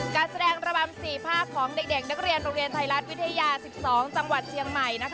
การแสดงระบำ๔ภาคของเด็กนักเรียนโรงเรียนไทยรัฐวิทยา๑๒จังหวัดเชียงใหม่